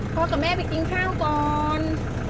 กับแม่ไปกินข้าวก่อน